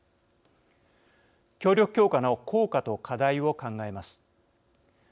協力強化の効果と課題を考えます。